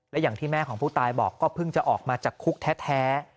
และอย่างที่แม่ของผู้ตายบอกก็เพิ่งจะออกมาจากคุกแท้